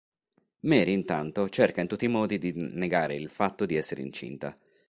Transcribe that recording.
Mary intanto cerca in tutti i modi di negare il fatto di essere incinta.